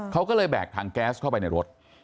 เขาก็เลยแบกถังแก๊สเข้าไปในรถ